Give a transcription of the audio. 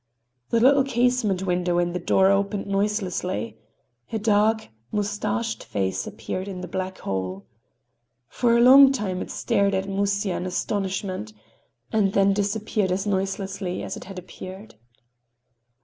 The little casement window in the door opened noiselessly. A dark, mustached face appeared in the black hole. For a long time it stared at Musya in astonishment—and then disappeared as noiselessly as it had appeared.